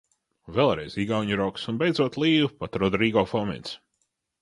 "Vēlreiz igauņu roks un beidzot "Līvi", pat Rodrigo Fomins."